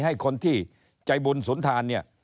ให้คนที่ใจบุญสุนทานเนี่ย